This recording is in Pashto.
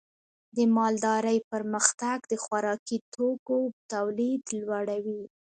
د مالدارۍ پرمختګ د خوراکي توکو تولید لوړوي.